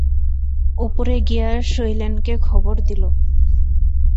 উপরে গিয়া শৈলেনকে খবর দিল।